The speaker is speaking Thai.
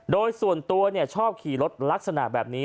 โดยส่วนตัวชอบขี่รถลักษณะแบบนี้